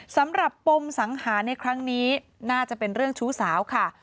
สำหรับปมสังหารในครั้งนี้น่าจะเป็นเรื่องชู้สาวค่ะ